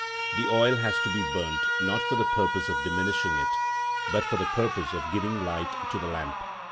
The oil has to be burnt, not for the purpose of diminishing it, but for the purpose of giving light to the lamp.